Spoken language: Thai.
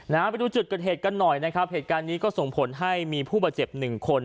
นะฮะไปดูจุดเกิดเหตุกันหน่อยนะครับเหตุการณ์นี้ก็ส่งผลให้มีผู้บาดเจ็บหนึ่งคน